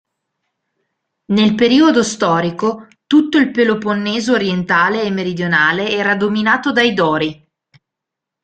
Nel periodo storico tutto il Peloponneso orientale e meridionale era dominato dai dori.